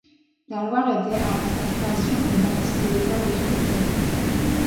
L'Alwar était, avant sa création, une partie de l'État de Jaipur.